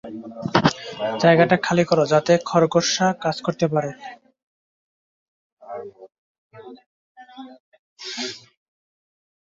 জায়গাটা খালি করো যাতে খরগোশরা কাজ করতে পারে।